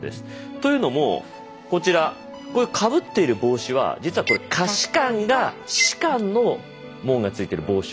というのもこちらこういうかぶっている帽子は実はこれ下士官が士官の紋が付いてる帽子をかぶっている。